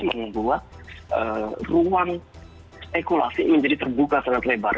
membuat ruang spekulasi menjadi terbuka sangat lebar